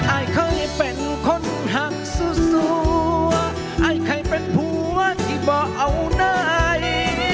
อายเคยเป็นคนหักสัวอายเคยเป็นผัวที่บ่เอาไหน